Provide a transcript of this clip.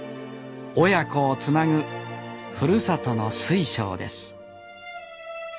親子をつなぐふるさとの水晶です